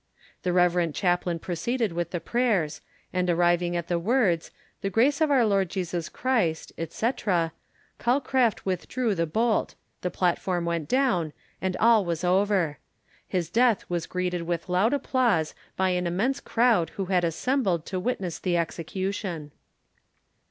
The rev. chaplain proceeded with the prayers, and on arriving at the words "The grace of our Lord Jesus Christ," &c., Calcraft withdrew the bolt, the platform went down, and all was over. His death was greeted with loud applause by an immense crowd who had assembled to witness the execution.